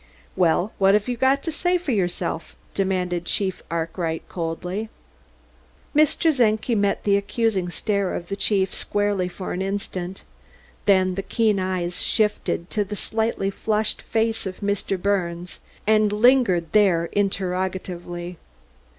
"Well, what have you got to say for yourself?" demanded Chief Arkwright coldly. Mr. Czenki met the accusing stare of the chief squarely for an instant, then the keen eyes shifted to the slightly flushed face of Mr. Birnes and lingered there interrogatively.